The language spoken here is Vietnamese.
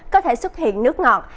có thể xuất hiện nước ngọt